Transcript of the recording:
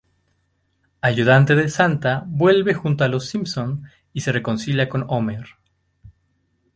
Ayudante de Santa vuelve junto a los Simpson y se reconcilia con Homer.